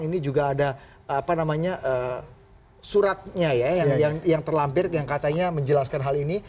ini juga ada suratnya ya yang terlampir yang katanya menjelaskan hal ini